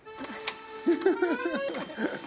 フフフフ。